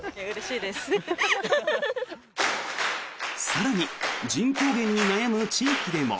更に人口減に悩む地域でも。